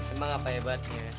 emang apa hebatnya